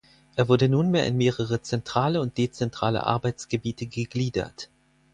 Er wurde nunmehr in mehrere zentrale und dezentrale Arbeitsgebiete gegliedert.